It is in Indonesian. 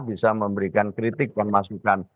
bisa memberikan kritik dan masukan